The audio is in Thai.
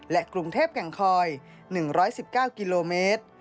กรุงเทพแก่งคอย๑๑๙กิโลเมตร